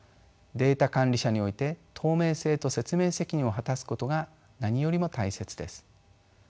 データ管理者において透明性と説明責任を果たすことが何よりも大切です。